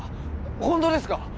本当ですか！